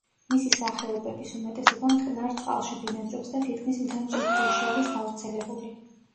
მისი სახეობების უმეტესობა მტკნარ წყალში ბინადრობს და თითქმის მთელ მსოფლიოში არის გავრცელებული.